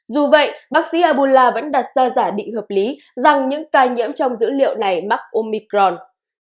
dù vậy bác sĩ abulla vẫn đặt ra giả định hợp lý rằng những ca nhiễm trong dữ liệu này mắc omicron